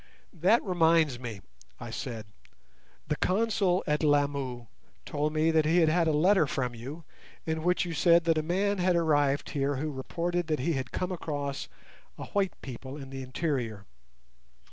"That reminds me," I said, "the Consul at Lamu told me that he had had a letter from you, in which you said that a man had arrived here who reported that he had come across a white people in the interior.